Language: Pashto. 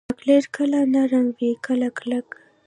چاکلېټ کله نرم وي، کله کلک.